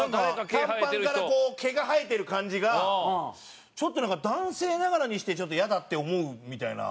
短パンからこう毛が生えてる感じがちょっとなんか男性ながらにしてちょっとイヤだって思うみたいな。